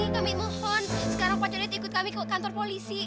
kami mohon sekarang prajurit ikut kami ke kantor polisi